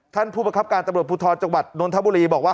ท่านผู้ประคับการตำรวจภูทรจังหวัดนนทบุรีบอกว่า